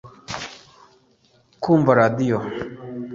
kumva radio